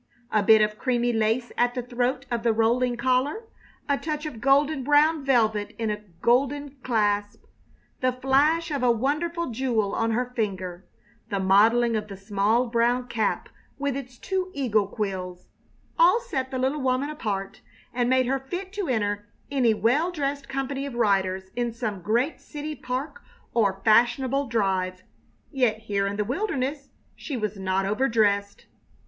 A bit of creamy lace at the throat of the rolling collar, a touch of golden brown velvet in a golden clasp, the flash of a wonderful jewel on her finger, the modeling of the small, brown cap with its two eagle quills all set the little woman apart and made her fit to enter any well dressed company of riders in some great city park or fashionable drive. Yet here in the wilderness she was not overdressed.